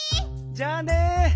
じゃあね！